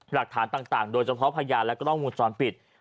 หลักฐานต่างโดยเฉพาะพยานและกล้องมูลจรปิด